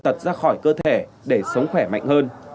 tật ra khỏi cơ thể để sống khỏe mạnh hơn